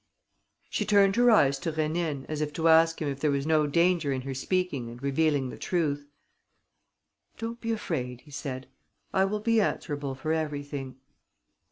She turned her eyes to Rénine as if to ask him if there was no danger in her speaking and revealing the truth. "Don't be afraid," he said. "I will be answerable for everything."